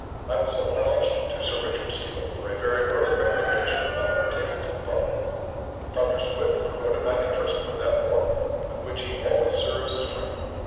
I was obliged to Sir Richard Steele for a very early recommendation of my undertaking to the public. Dr. Swift promoted my interest with that warmth with which he always serves his friend.